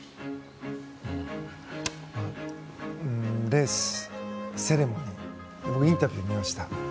レース、セレモニーインタビューを見ました。